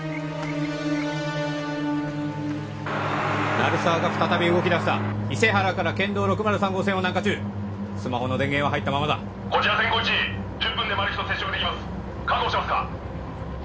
鳴沢が再び動きだした伊勢原から県道６０３号線を南下中スマホの電源は入ったままだこちらセンコウ１１０分でマル被と接触できます確保しますか？